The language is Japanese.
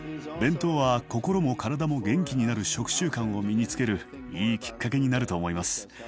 弁当は心も体も元気になる食習慣を身につけるいいきっかけになると思います。